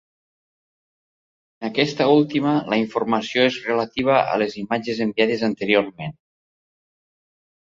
En aquesta última, la informació és relativa a les imatges enviades anteriorment.